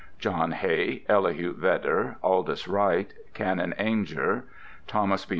[D] John Hay, Elihu Vedder, Aldis Wright, Canon Ainger, Thomas B.